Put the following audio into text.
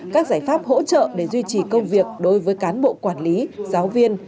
các giải pháp hỗ trợ để duy trì công việc đối với cán bộ quản lý giáo viên